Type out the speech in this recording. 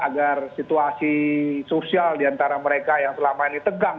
agar situasi sosial diantara mereka yang selama ini tegang